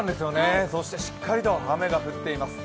そしてしっかりと雨が降っています。